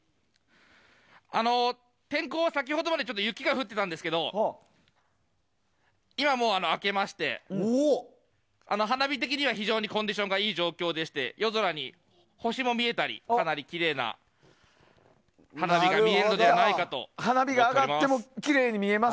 天候は先ほどまで雪が降ってたんですけど今、明けまして花火的には非常にコンディションがいい状況でして夜空に星も見えたりかなりきれいな花火が見えるのではないかと思っております。